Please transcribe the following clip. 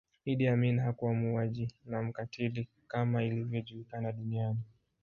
Idi Amin hakuwa muuaji na mkatili kama inavyojulikana duniani